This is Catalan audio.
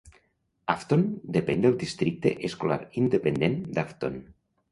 Afton depèn del districte escolar independent d'Afton.